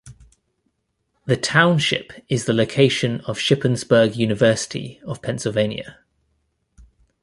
The township is the location of Shippensburg University of Pennsylvania.